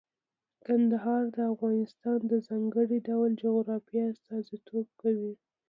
کندهار د افغانستان د ځانګړي ډول جغرافیه استازیتوب کوي.